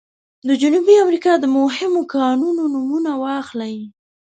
د جنوبي امریکا د مهمو کانونو نومونه واخلئ.